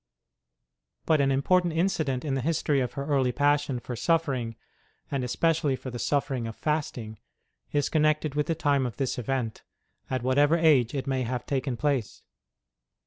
But an important incident in the history of her early passion for suffering, and especially for the suffering of fast ing, is connected with the time of this event, at whatever age it may have taken place.